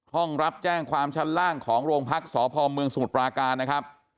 ห้องรับแจ้งความชั้นล่างของโรงพักษ์สพเมืองสมุทรปราการนะครับ